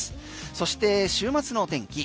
そして週末の天気